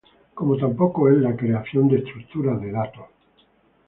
Como tampoco es la creación de estructuras de datos.